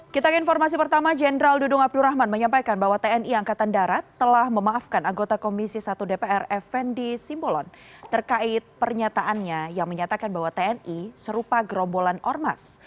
kita ke informasi pertama jenderal dudung abdurrahman menyampaikan bahwa tni angkatan darat telah memaafkan anggota komisi satu dpr fnd simbolon terkait pernyataannya yang menyatakan bahwa tni serupa gerombolan ormas